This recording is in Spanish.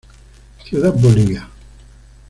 Ciudad Bolivia.